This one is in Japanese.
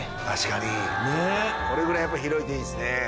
確かにこれぐらいやっぱ広いといいですね。